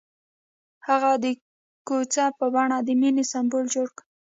هغه د کوڅه په بڼه د مینې سمبول جوړ کړ.